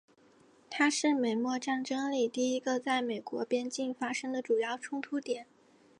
它是美墨战争里第一个在美国边境发生的主要冲突点。